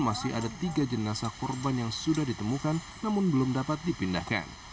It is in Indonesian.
masih ada tiga jenazah korban yang sudah ditemukan namun belum dapat dipindahkan